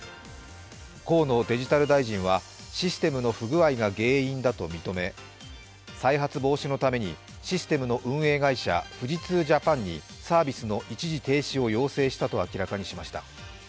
河野デジタル大臣はシステムの不具合が原因だと認め再発防止のためにシステムの運営会社富士通Ｊａｐａｎにサービスの一時停止を要請したと明らかにしました。